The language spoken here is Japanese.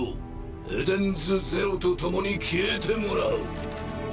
エデンズゼロと共に消えてもらう。